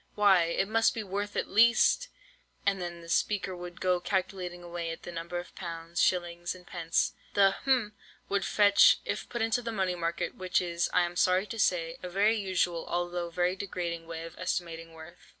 Why, it must be worth at least—' and then the speaker would go calculating away at the number of pounds, shillings, and pence, the—hm—would fetch, if put into the money market, which is, I am sorry to say, a very usual, although very degrading way of estimating worth.